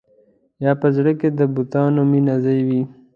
یا په زړه کې د بتانو مینه ځای وي.